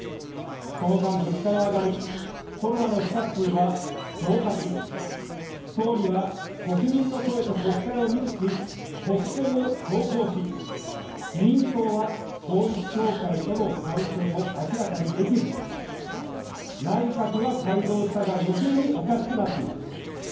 その間物価は上がり、コロナの死者数は増加し、総理は国民の声と国会を無視し、国葬を強行し、自民党は統一教会との関係を明らかにできず、内閣は改造したがよけいにおかしくなっています。